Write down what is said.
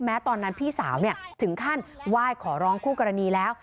แม้ตอนนั้นพี่สาวเนี่ยถึงขั้นว่ายขอร้องคู่กรณีแล้ว